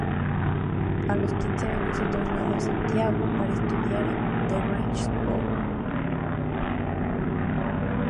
A los quince años se trasladó a Santiago para estudiar en The Grange School.